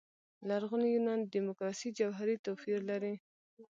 لرغوني یونان دیموکراسي جوهري توپير لري.